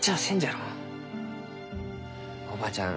おばあちゃん